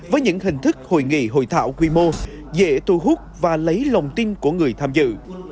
với những hình thức hội nghị hội thảo quy mô dễ thu hút và lấy lòng tin của người tham dự